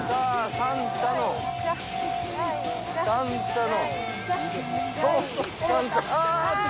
サンタの。